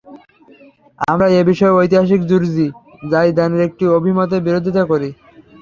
আমরা এ বিষয়ে ঐতিহাসিক জুরজী যায়দানের একটি অভিমতের বিরোধিতা করি।